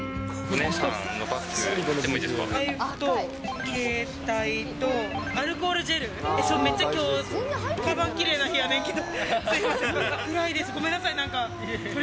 財布と携帯と、アルコールジェル、めっちゃきょう、かばんがきれいな日なんやけど。